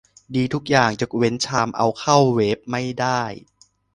ดีทุกอย่าง ยกเว้นชามเอาเข้าเวฟไม่ได้